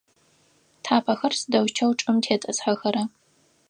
Тхьапэхэр сыдэущтэу чӏым тетӏысхьэхэра?